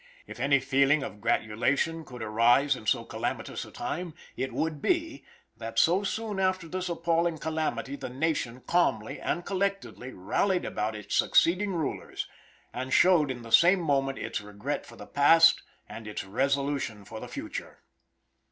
If any feeling of gratulation could arise in so calamitous a time, it would be, that so soon after this appalling calamity the nation calmly and collectedly rallied about its succeeding rulers, and showed in the same moment its regret for the past and its resolution for the future.